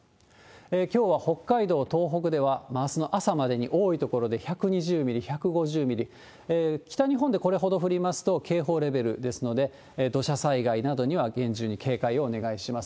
きょうは北海道、東北ではあすの朝までに多い所で１２０ミリ、１５０ミリ、北日本でこれほど降りますと警報レベルですので、土砂災害などには厳重に警戒をお願いします。